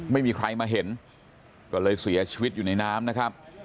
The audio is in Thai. ไม่มีใครมาเห็นก็เลยเสียชีวิตอยู่ในน้ำนะครับ